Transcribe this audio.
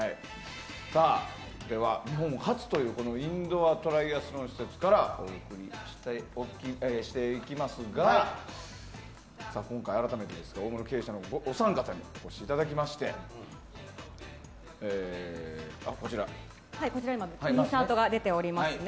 では、日本初というインドアトライアスロン施設からお送りしていきますが今回改めてですが大物経営者のお三方に今、インサートが出ておりますね。